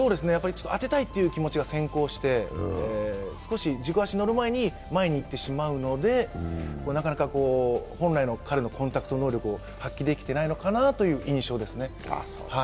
当てたいという気持ちが先行して少し軸足に乗る前に前に行ってしまうのでなかなか本来の彼のコンタクト能力を発揮できていないのかなという印象ですね。